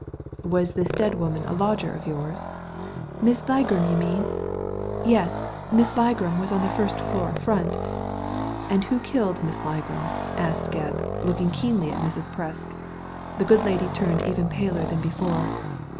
" Was this dead woman a lodger of yours ?" "Miss Ligram, you mean? Yes. Miss Ligram was in the first floor front" "And who killed Miss Ligram?" asked Gebb, looking keenly at Mrs. Presk. The good lady turned ever paler than before.